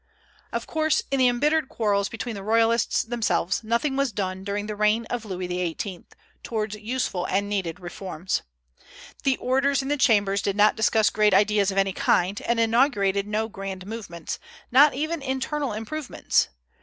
Of course, in the embittered quarrels between the Royalists themselves, nothing was done during the reign of Louis XVIII. toward useful and needed reforms. The orators in the chambers did not discuss great ideas of any kind, and inaugurated no grand movements, not even internal improvements.